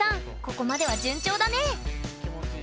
ここまでは順調だね！